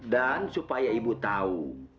dan supaya ibu tahu